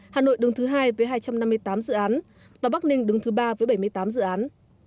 hà nội đứng thứ hai với hai trăm năm mươi tám dự án và bắc ninh đứng thứ ba với bảy mươi tám dự án